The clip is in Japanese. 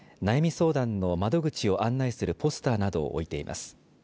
相談の窓口を案内するポスターなどを置いています。